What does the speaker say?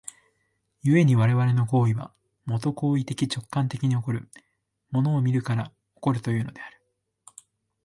故に我々の行為は、もと行為的直観的に起こる、物を見るから起こるというのである。